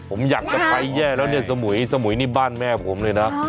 ผมอยากจะไปแย่แล้วเนี่ยสมุยสมุยนี่บ้านแม่ผมเลยนะ